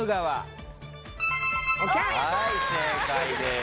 はい正解です。